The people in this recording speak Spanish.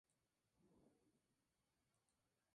El modo de tocarlos varía de lugar en lugar.